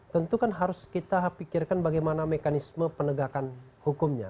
tentu kan harus kita pikirkan bagaimana mekanisme penegakan hukumnya